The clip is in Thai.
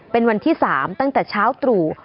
เป็นวันที่๓ตั้งแต่เช้าตรู่